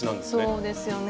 そうですよね。